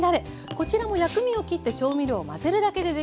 こちらも薬味を切って調味料を混ぜるだけでできます。